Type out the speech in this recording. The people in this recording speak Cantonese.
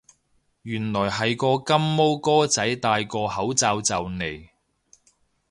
原來係個金毛哥仔戴個口罩就嚟